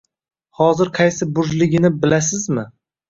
Hozir qaysi burjligini bilasizmi?